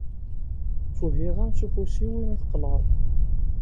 Ttwehhiɣ-am s ufus-iw imi tqelɛeḍ.